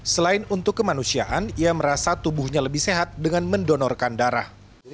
selain untuk kemanusiaan ia merasa tubuhnya lebih sehat dengan mendonorkan darah